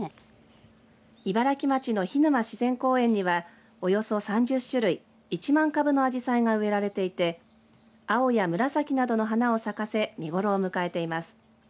茨城町の涸沼自然公園にはおよそ３０種類、１万株のあじさいが植えられていて青や紫などの花を咲かせ見頃を迎えています。